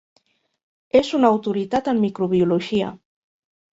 És una autoritat en microbiologia.